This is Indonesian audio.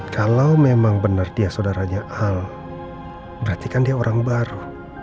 kalau memang benar dia saudaranya al berarti kan dia orang baru